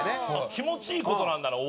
気持ちいい事なんだなお